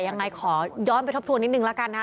นายขอย้อนไปทบทวนนิดนึงละกันนะ